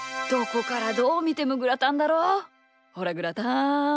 ほらグラタン。